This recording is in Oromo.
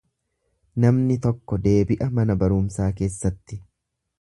Namni tokko deebi'a mana barumsaa keessatti.